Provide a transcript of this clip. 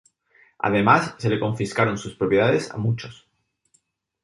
Además se les confiscaron sus propiedades a muchos.